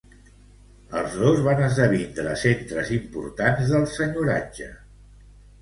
Els dos van esdevindre centres importants del senyoratge.